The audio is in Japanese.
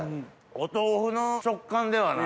お豆腐の食感ではない。